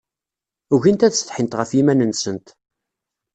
Ugint ad setḥint ɣef yiman-nsent.